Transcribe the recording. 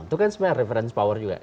itu kan sebenarnya reference power juga